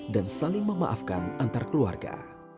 dan saling memaafkan antar keluarga